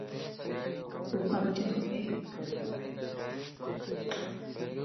ڪوڙ کان بچڻ کپ